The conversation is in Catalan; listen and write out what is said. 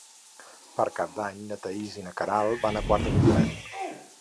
Per Cap d'Any na Thaís i na Queralt van a Quart de Poblet.